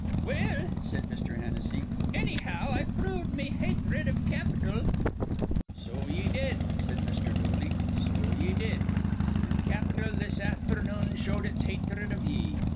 "Well," said Mr. Hennessy, "annyhow, I proved me hathred iv capital." "So ye did," said Mr. Dooley. "So ye did. An' capital this afthernoon showed its hatred iv ye.